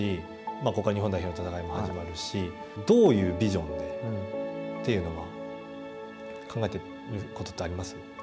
ここから日本代表の戦いも始まるしどういうビジョンでというのは考えてることはありますか。